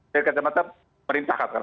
dari kacamata pemerintah